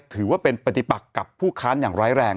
ถือว่าเป็นปฏิปักกับผู้ค้านอย่างร้ายแรง